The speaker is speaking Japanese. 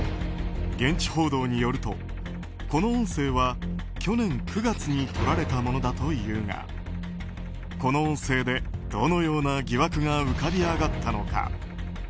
現地報道によるとこの音声は去年９月にとられたものだというがこの音声でどのような疑惑が浮かび上がったのか。